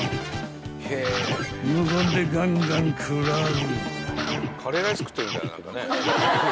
［無言でガンガン食らう］